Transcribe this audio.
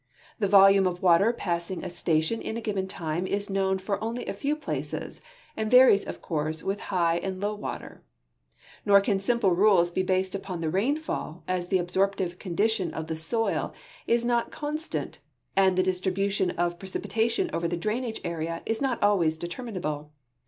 The volume of water passing a station in a given time is known ftw only a few places, and varies, of course, with high and low water; nor can sini])l(.' rules be based upon the rainfall, as the absorptive condition of the soil is not constant and the distribu tion of precipitation over the drainage area is not always deter minable.